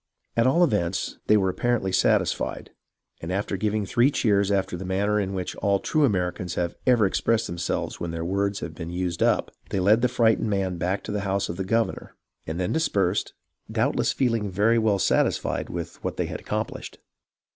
At all events, they were apparently satisfied, and after giving three cheers after the manner in which all true Americans have ever expressed themselves when all their words have been used up, they led the frightened man back to the house of the governor, and then dispersed, doubtless feeHng very well satisfied with what they had accomplished.